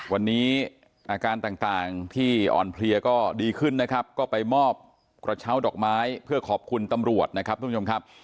วันนี้อาการต่างที่อ่อนเพลียก็ดีขึ้นนะครับก็ไปมอบกระเช้าดอกไม้เพื่อขอบคุณตำรวจนะครับทุกผู้ชมครับ